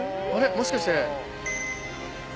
もしかして。